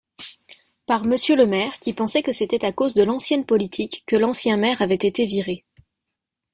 Par Monsieur le Maire qui pensait que c’était à cause de l’ancienne politique que l’ancien maire avait été viré.